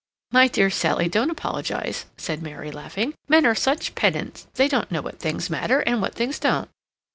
"My dear Sally, don't apologize," said Mary, laughing. "Men are such pedants—they don't know what things matter, and what things don't."